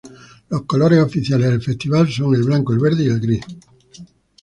Los colores oficiales del festival son el blanco, el verde y el gris.